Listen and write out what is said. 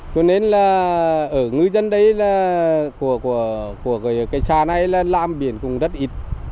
cho nên là ở ngư dân đấy là của cái xa này là làm biển cũng rất ít